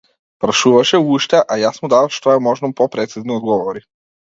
Прашуваше уште, а јас му давав што е можно попрецизни одговори.